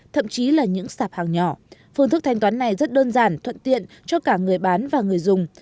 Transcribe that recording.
thậm chí là những sạp hàng nhỏ phương thức thanh toán này rất đơn giản thuận tiện cho cả người bán và người dùng